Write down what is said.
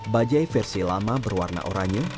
bajai versi lama berwarna oranye